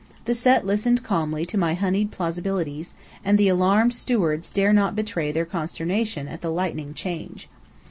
The Set listened calmly to my honeyed plausibilities; and the alarmed stewards dared not betray their consternation at the lightning change.